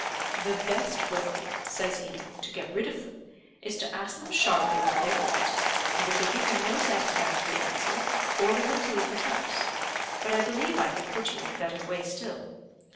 "The best way," says he, "to get rid of them, is to ask them sharply what they want; and if they give you no satisfactory answer, order them to leave the house; but I believe I can put you in a better way still.